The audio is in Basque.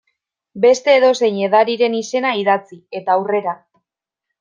Beste edozein edariren izena idatzi, eta aurrera.